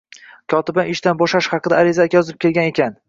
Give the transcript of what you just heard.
Kotibam ishdan bo'shash haqida ariza yozib kelgan edi